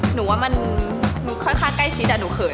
หนูว่ามันค่อนข้างใกล้ชิดกับหนูเขิน